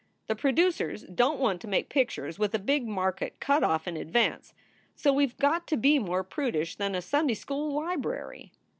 The producers don t want to make pictures with a big market cut off in advance, so we ve got to be more prudish than a Sunday school library.